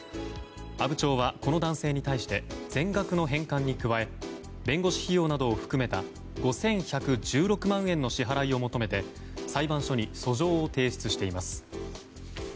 阿武町はこの男性に対して全額の返還に加え弁護士費用などを含めた５１１６万円の支払いを求めて裁判所に訴状を提出しています。